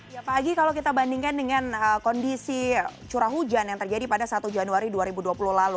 ya pak agi kalau kita bandingkan dengan kondisi curah hujan yang terjadi pada satu januari dua ribu dua puluh lalu